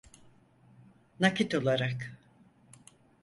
Nakit olarak.